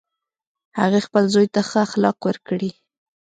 هغې خپل زوی ته ښه اخلاق ورکړی